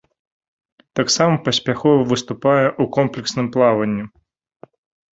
Таксама паспяхова выступае ў комплексным плаванні.